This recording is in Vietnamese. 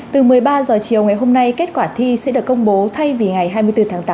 từ một mươi ba h chiều ngày hôm nay kết quả thi sẽ được công bố thay vì ngày hai mươi bốn tháng tám